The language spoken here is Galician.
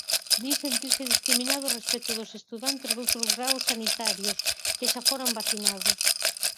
Din sentirse discriminados respecto dos estudantes doutros graos sanitarios, que xa foron vacinados.